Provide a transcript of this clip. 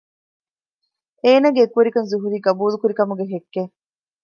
އޭނަގެ އެކުވެރިކަން ޒުހުރީ ޤަބޫލުކުރި ކަމުގެ ހެއްކެއް